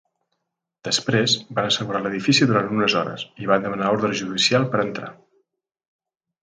Després, van ‘assegurar’ l’edifici durant hores i van demanar ordre judicial per entrar.